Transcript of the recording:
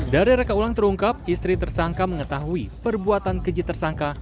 dari rekaulang terungkap istri tersangka mengetahui perbuatan keji tersangka